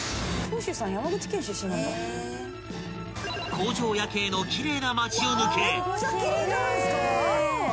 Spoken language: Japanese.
［工場夜景の奇麗な街を抜け］